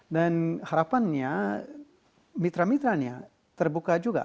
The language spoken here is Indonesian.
dan harapannya mitra mitranya terbuka juga